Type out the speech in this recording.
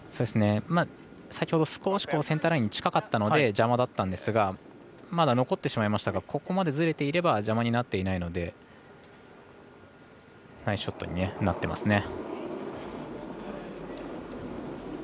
先ほど少しセンターラインに近かったので邪魔だったんですがまだ残ってしまいましたがここまでずれていれば邪魔になっていないのでナイスショットになっています。